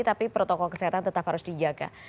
tapi protokol kesehatan tetap harus dijaga